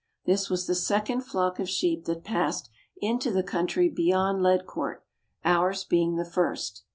This was the second flock of sheep that passed into the country beyond Ledcourt ours being the first.